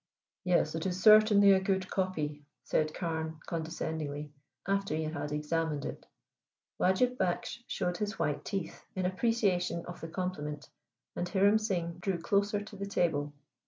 "Yes, it is certainly a good copy," said Carne condescendingly, after he had examined it. Wajib Baksh showed his white teeth in appreciation of the compliment, and Hiram Singh drew closer to the table.